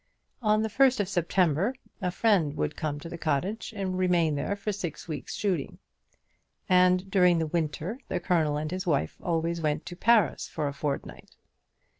On the first of September a friend would come to the cottage and remain there for six weeks' shooting; and during the winter the Colonel and his wife always went to Paris for a fortnight.